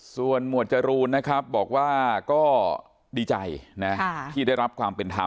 ส่วนหมวดจรูนนะครับบอกว่าก็ดีใจที่ได้รับความเป็นธรรม